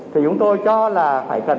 thì chúng tôi cho là phải cần